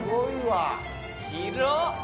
広っ！